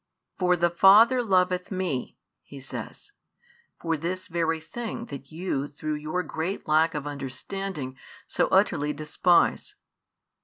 For the Father loveth Me, He says, for this very thing that you through your great lack of understanding so utterly despise.